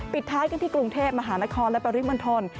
ปิดท้ายกันที่กรุงเทพมหานครและปริมณฑล